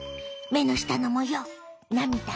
目の下の模様涙